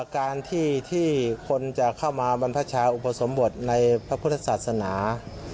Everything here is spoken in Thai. การที่คนจะเข้ามาบรรพชาอุปสมบทในพระพุทธศาสนา